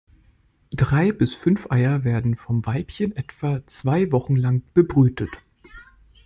Drei bis fünf Eier werden vom Weibchen etwa zwei Wochen lang bebrütet.